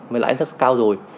mới lãi suất cao rồi